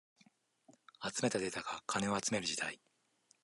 集めたデータが金を集める時代